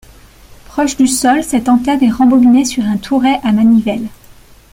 Proche du sol cette antenne est rembobinée sur un touret à manivelle.